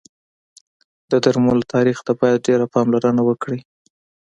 د درملو تاریخ ته باید ډېر پاملرنه وکړی